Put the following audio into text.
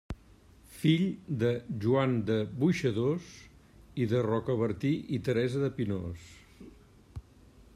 Fill de Joan de Boixadors i de Rocabertí i Teresa de Pinós.